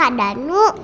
kau mau dateng pak